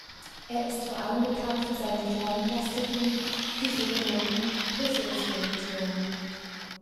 Er ist vor allem bekannt für seine Klein-Plastiken, die sogenannten „Puzzle-Skulpturen“.